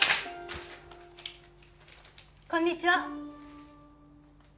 こんにちは